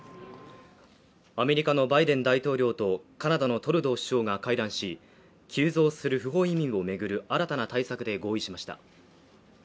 アメリカのバイデン大統領とカナダのトルドー首相が会談し、急増する不法移民を巡る新たな対策で合意しました。